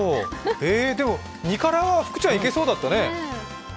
２辛は、福ちゃん、いけそうだったね。